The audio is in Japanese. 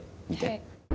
はい。